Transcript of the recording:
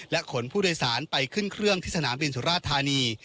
ขนผู้โดยสารไปขึ้นเครื่องที่สนามบินสุราธานี